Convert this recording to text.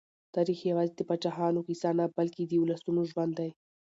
تاریخ یوازې د پاچاهانو کیسه نه، بلکې د ولسونو ژوند دی.